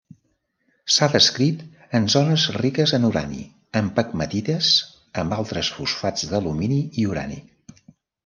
S’ha descrit en zones riques en urani en pegmatites amb altres fosfats d’alumini i urani.